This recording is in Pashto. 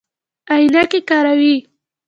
عینکې کاروئ؟